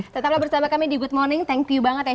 tetaplah bersama kami di good morning thank you banget ya